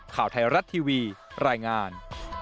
ข่าวไทยรัฐทีวีรายงาน